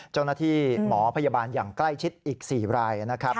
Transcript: เจ้าหน้าที่หมอพยาบาลอย่างใกล้ชิดอีก๔รายนะครับ